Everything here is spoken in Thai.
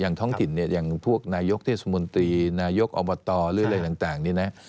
ท้องถิ่นเนี่ยอย่างพวกนายกเทศมนตรีนายกอบตหรืออะไรต่างนี่นะ